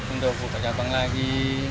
untuk buka cabang lagi